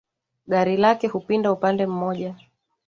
Gari lake hupinda upande moja